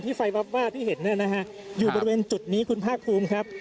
ที่ไฟบับบ้าที่เห็นนะครับอยู่บริเวณจุดนี้คุณภาคภูมิครับ